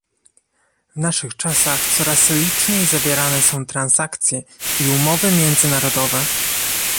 W naszych czasach coraz liczniej zawierane są transakcje i umowy międzynarodowe